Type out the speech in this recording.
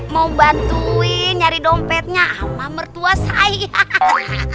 mau bantuin nyari dompetnya sama mertua saya